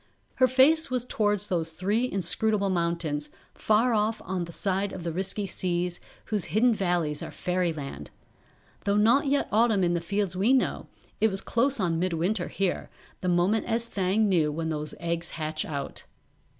Her face was towards those three inscrutable mountains, far off on the other side of the risky seas, whose hidden valleys are Fairyland. Though not yet autumn in the fields we know, it was close on midwinter here, the moment as Thang knew when those eggs hatch out.